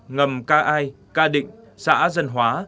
ngầm ca ai ca định xã dân hóa